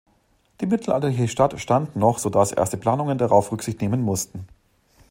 Die mittelalterliche Stadt stand noch, so dass erste Planungen darauf Rücksicht nehmen mussten.